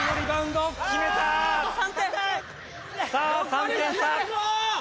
３点差！